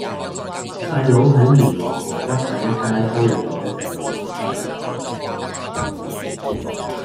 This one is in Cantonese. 細佬喺元朗河北第一街收養左一隻流浪狗